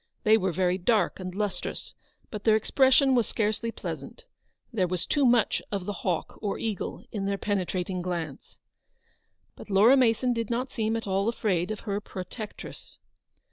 They were very dark and lustrous, but their expression was scarcely pleasant. There was too much of the hawk or eagle in their penetrating glance. But Laura Mason did not seem at all afraid of her protectress.